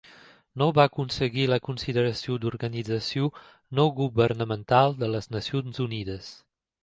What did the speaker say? No va aconseguir la consideració d'organització no governamental de les Nacions Unides.